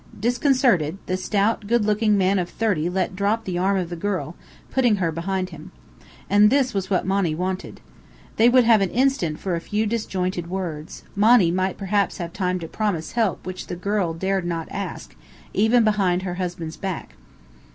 Disconcerted, the stout, good looking man of thirty let drop the arm of the girl, putting her behind him. And this was what Monny wanted. They would have an instant for a few disjointed words: Monny might perhaps have time to promise help which the girl dared not ask, even behind her husband's back.